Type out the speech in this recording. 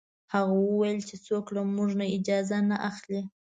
هغه وویل چې څوک له موږ نه اجازه نه اخلي.